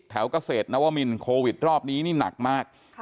แถวกเศษนัวว่ามินโควิดรอบนี้นี่หนักมากค่ะ